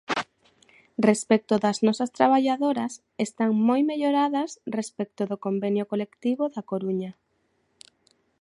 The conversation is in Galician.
Respecto das nosas traballadoras, están moi melloradas respecto do convenio colectivo da Coruña.